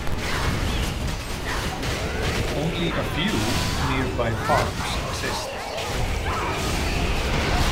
Only a few nearby farms exist.